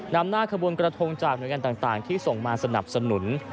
นำหน้าขบวนกระทงจากหน่วยงานต่างที่ส่งมาสนับสนุน